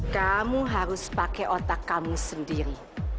kamu harus pakai otak kamu sendiri